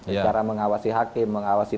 secara mengawasi hakim mengawasi